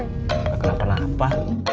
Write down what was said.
gak pernah kenapa